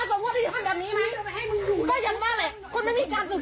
เขาว่าไม่เคยเห็นภาวะอะไรของคนอื่น